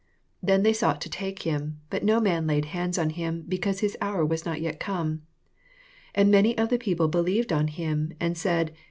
30 Then they sought to take him: but no man laid hands on him, because his hour was not yet come. 31 And many of the people be lieved on him, and said.